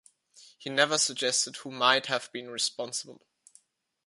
He never suggested who might have been responsible.